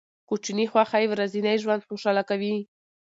کوچني خوښۍ ورځنی ژوند خوشحاله کوي.